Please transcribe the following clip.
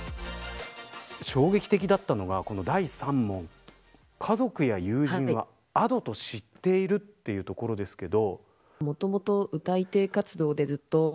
衝撃的だったのがこの第３問家族や友人はＡｄｏと知っているというところですけど。